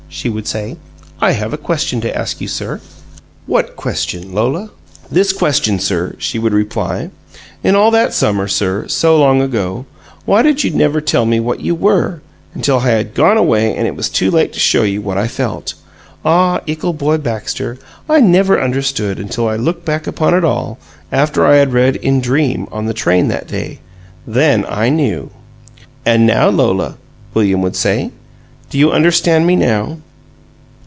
she would say. "I have a question to ask you, sir!" "What question, Lola?" "THIS question, sir!" she would reply. "In all that summer, sir, so long ago, why did you never tell me what you WERE, until I had gone away and it was too late to show you what I felt? Ah, Ickle Boy Baxter, I never understood until I looked back upon it all, after I had read 'In Dream,' on the train that day! THEN I KNEW!" "And now, Lola?" William would say. "Do you understand me, NOW?"